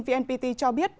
vnpt cho biết